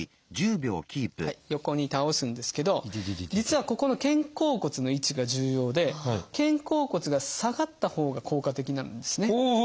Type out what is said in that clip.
横に倒すんですけど実はここの肩甲骨の位置が重要で肩甲骨が下がったほうが効果的なんですね。